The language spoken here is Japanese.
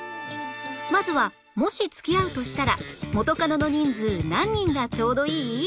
まずはもし付き合うとしたら元カノの人数何人がちょうどいい？